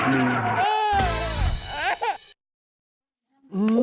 ลืมเออเอ๊ะ